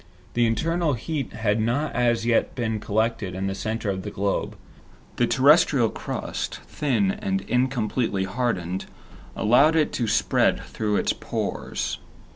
The internal heat had not as yet been collected in the center of the globe. The terrestrial crust, thin and incompletely hardened, allowed it to spread through its pores.